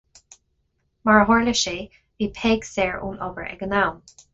Mar a tharla sé, bhí Peig saor ón obair ag an am.